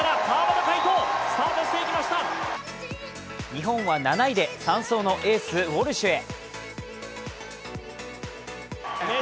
日本は７位で３走のエース・ウォルシュへ。